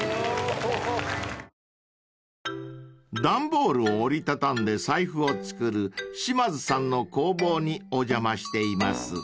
［段ボールを折り畳んで財布を作る島津さんの工房にお邪魔しています］